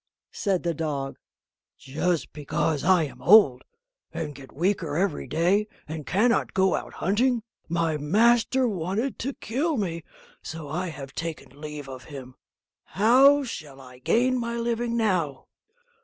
said the dog, "just because I am old, and get weaker every day, and cannot go out hunting, my master wanted to kill me, so I have taken leave of him; but how shall I gain my living now?"